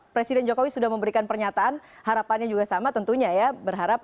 presiden jokowi sudah memberikan pernyataan harapannya juga sama tentunya ya berharap